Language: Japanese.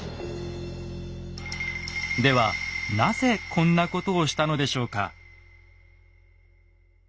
ではなぜこんなことをしたのでしょうか？